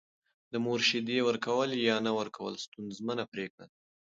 د مور شیدې ورکول یا نه ورکول ستونزمنه پرېکړه ده.